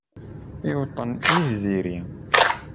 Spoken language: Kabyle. Iweṭṭen i tziri